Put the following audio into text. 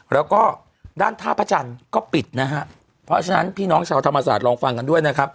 แล้วก็ด้านท่าพระจันทร์ก็ปิดนะฮะเพราะฉะนั้นพี่น้องชาวธรรมศาสตร์ลองฟังกันด้วยนะครับ